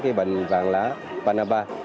cái bệnh vàng lá panapa